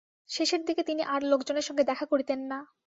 শেষের দিকে তিনি আর লোকজনের সঙ্গে দেখা করিতেন না।